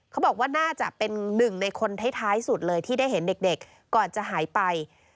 เขาบอกว่าน่าจะเป็นหนึ่งในคนท้ายสุดเลยที่ได้เห็นเด็กก่อนจะหายไป